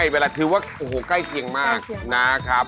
ไม่คือว่าใกล้เคียงมาก